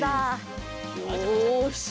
よし。